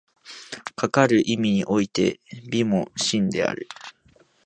かかる意味において美も真である。